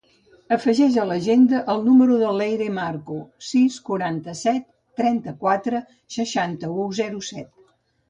Afegeix a l'agenda el número de l'Eire Marcu: sis, quaranta-set, trenta-quatre, seixanta-u, zero, set.